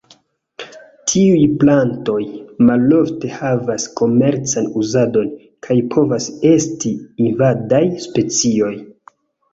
Tiuj plantoj malofte havas komercan uzadon, kaj povas esti invadaj specioj.